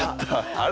あれ？